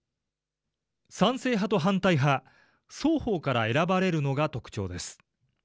賛成派と反対派、双方から選ばれるのが特徴です。